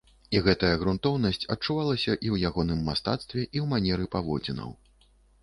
І гэтая грунтоўнасць адчувалася і ў ягоным мастацтве, і ў манеры паводзінаў.